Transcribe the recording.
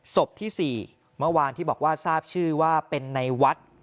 ศพที่๔เมื่อวานที่บอกว่าทราบชื่อว่าเป็นในวัด